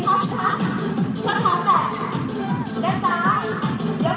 ออกใส่พร้อมพี่นะครับ